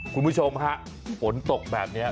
คุณผู้ชมฮะฝนตกแบบนี้